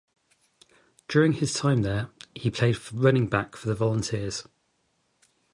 During his time there, he played Running Back for the Volunteers.